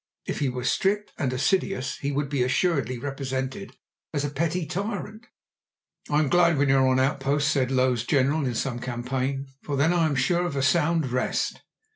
If he were strict and assiduous he would be assuredly represented as a petty tyrant. "I am glad when you are on outpost," said Lowe's general in some campaign, "for then I am sure of a sound rest."